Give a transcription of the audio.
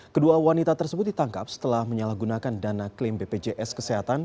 kedua wanita tersebut ditangkap setelah menyalahgunakan dana klaim bpjs kesehatan